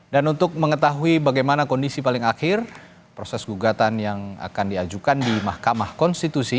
dan untuk mengetahui bagaimana kondisi paling akhir proses gugatan yang akan diajukan di mahkamah konstitusi